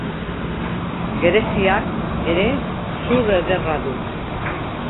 Gereziak ere zur ederra du.